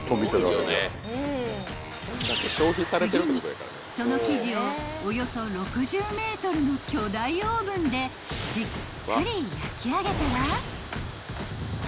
［次にその生地をおよそ６０ｍの巨大オーブンでじっくり焼き上げたら］